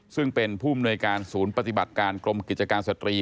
ซึ่งเป็นผู้มนวยการศูนย์ปฏิบัติการกรมกิจการสตรี